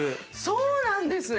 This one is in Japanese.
そうなんですね。